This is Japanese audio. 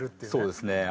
そうですね。